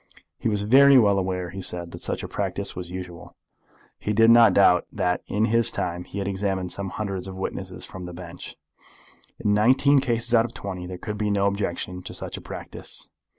He was very well aware, he said, that such a practice was usual. He did not doubt but that in his time he had examined some hundreds of witnesses from the bench. In nineteen cases out of twenty there could be no objection to such a practice.